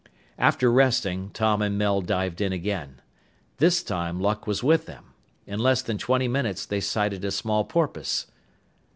After resting, Tom and Mel dived in again. This time luck was with them. In less than twenty minutes they sighted a small porpoise.